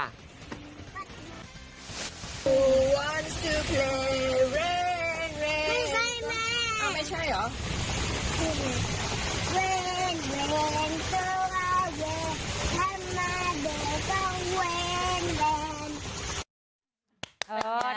ไม่ใช่แม่อ้าวไม่ใช่เหรอ